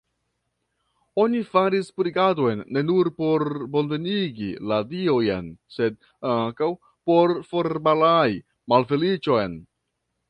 Oni faris purigadon ne nur por bonvenigi la diojn, sed ankaŭ por forbalai malfeliĉon.